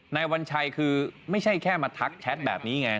วัญชัยคือไม่ใช่แค่มาทักแชทแบบนี้ไง